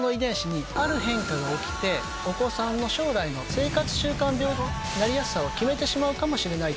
将来の生活習慣病のなりやすさを決めてしまうかもしれない。